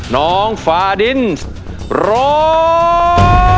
น้องฟาดินร้อง